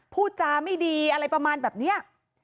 พูดจาไม่ดีอะไรประมาณแบบนี้